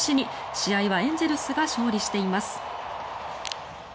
試合はエンゼルスが勝利しています。